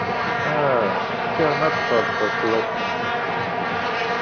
Ah, yerna ḍḍfeɣ-d taswast-nni!